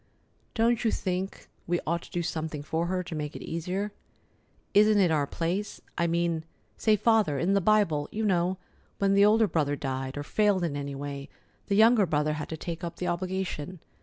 Don't you think we ought to do something for her, to make it easier? Isn't it our place? I mean—say, Father, in the Bible, you know, when the older brother died, or failed in any way, the younger brother had to take up the obligation.